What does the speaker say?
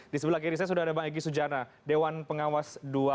di sebelah kiri saya sudah ada bang egy sujana dewan pengawas dua